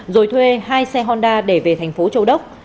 rồi thuê hai xe honda để về thành phố châu đốc